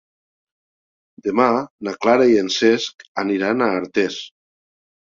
Demà na Clara i en Cesc aniran a Artés.